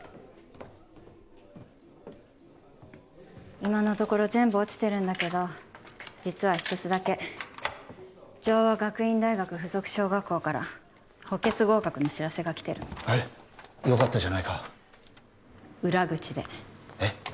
今のところ全部落ちてるんだけど実は一つだけ城和学院大学附属小学校から補欠合格の知らせがきてるのえっよかったじゃないか裏口でえっ？